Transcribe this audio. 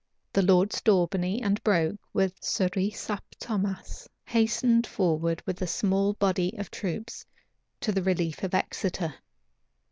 The lords Daubeney and Broke, with Sir Rice ap Thomas, hastened forward with a small body of troops to the relief of Exeter.